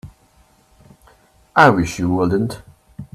I wish you wouldn't.